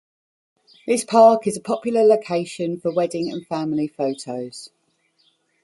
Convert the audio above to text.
This park is a popular location for wedding and family photos.